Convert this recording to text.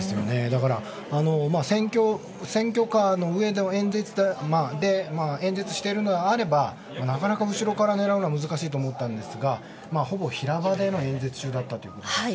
だから、選挙カーの上で演説しているのであればなかなか後ろから狙うのは難しいと思ったんですがほぼ平場での演説中だったということですね。